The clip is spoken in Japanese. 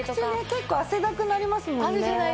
結構汗だくになりますもんね。